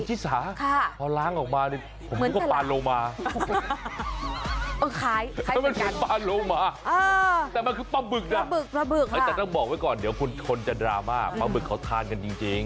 จิศาพอล้างออกมาผมก็ปานลงมาแต่มันคือปลาบึกน่ะแต่ต้องบอกไว้ก่อนเดี๋ยวคนจะดราม่าปลาบึกเขาทานกันจริง